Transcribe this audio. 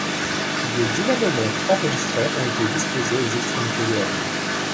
Des dynamomètres enregistreurs ont été disposés aux extrémités de la ligne.